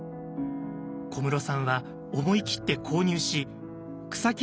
小室さんは思い切って購入し草木